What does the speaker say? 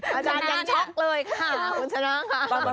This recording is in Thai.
อาจารย์ยังช็อกเลยค่ะคุณชนะค่ะ